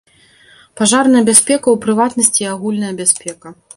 Пажарная бяспека ў прыватнасці і агульная бяспека.